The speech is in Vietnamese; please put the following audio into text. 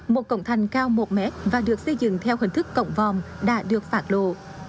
một cổng thành cao một mét và được xây dựng theo hình thức cổng vòm đã được phạt lộ